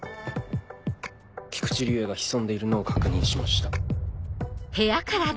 菊池竜哉が潜んでいるのを確認しました。